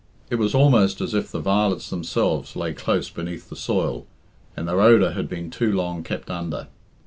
It was almost as if the violets themselves lay close beneath the soil, and their odour had been too long kept under.